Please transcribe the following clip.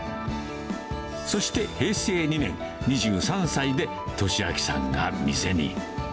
そして平成２年、２３歳で、利昭さんが店に。